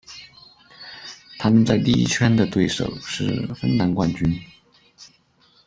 他们在第一圈的对手是芬兰冠军。